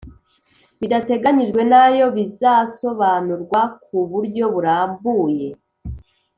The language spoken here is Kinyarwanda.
bidateganyijwe nayo bizasobanurwa ku buryo burambuye